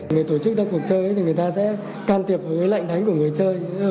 người tổ chức cho cuộc chơi thì người ta sẽ can tiệp với lệnh đánh của người chơi